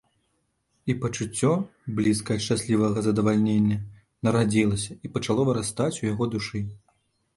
І пачуццё, блізкае ад шчаслівага задавалення, нарадзілася і пачало вырастаць у яго душы.